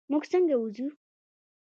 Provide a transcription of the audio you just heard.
مونږ څنګه ووځو؟